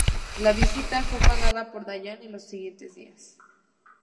La visita fue pagada por Dayan en los siguientes días.